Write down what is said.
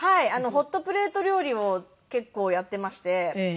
ホットプレート料理を結構やってまして。